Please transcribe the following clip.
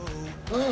うん！